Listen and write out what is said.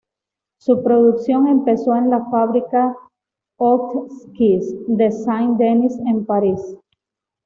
Su producción empezó en la Fábrica Hotchkiss de Saint-Denis, en París.